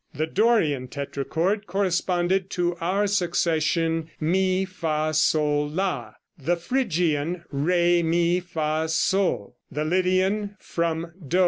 The Dorian tetrachord corresponded to our succession mi, fa, sol, la; the Phrygian re, mi, fa, sol; the Lydian from do.